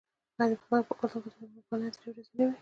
آیا د پښتنو په کلتور کې د میلمه پالنه درې ورځې نه وي؟